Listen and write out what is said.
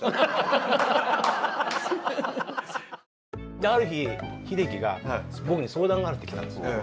である日秀樹が僕に相談があるって来たんです。